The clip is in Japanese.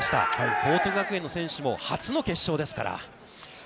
報徳学園の選手も初の決勝ですから。